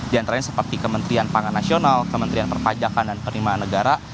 di antaranya seperti kementerian pangan nasional kementerian perpajakan dan penerimaan negara